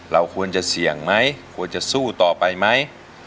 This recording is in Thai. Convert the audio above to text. เราควรจะเสี่ยงไหมควรจะสู้ต่อไปไหม